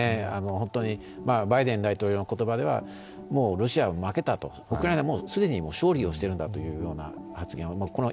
本当にバイデン大統領の言葉では、もうロシアは負けたと、僕らは既に勝利をしているんだという発言を。